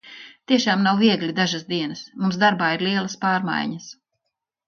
Tiešām nav viegli dažas dienas. Mums darbā ir lielas pārmaiņas.